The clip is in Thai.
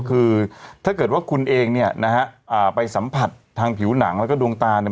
คือถ้าเกิดว่าคุณเองเนี่ยนะฮะอ่าไปสัมผัสทางผิวหนังแล้วก็ดวงตาเนี่ย